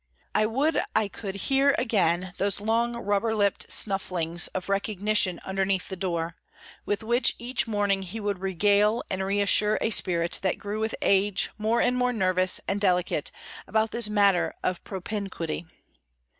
I would I could hear again those long rubber lipped snufflings of recognition underneath the door, with which each morning he would regale and reassure a spirit that grew with age more and more nervous and delicate about this matter of propinquity!